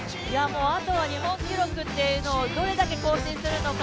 あとは日本記録をどれだけ更新するのか